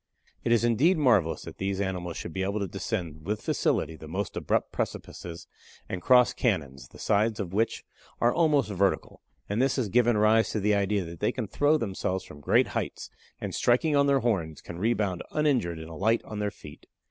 It is indeed marvelous that these animals should be able to descend with facility the most abrupt precipices and cross canons, the sides of which are almost vertical, and this has given rise to the idea that they can throw themselves from great heights, and striking on their horns, can rebound uninjured and alight on their feet.